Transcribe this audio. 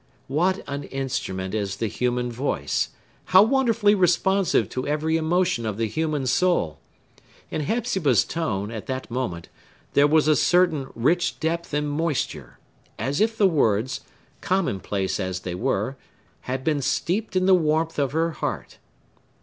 What an instrument is the human voice! How wonderfully responsive to every emotion of the human soul! In Hepzibah's tone, at that moment, there was a certain rich depth and moisture, as if the words, commonplace as they were, had been steeped in the warmth of her heart.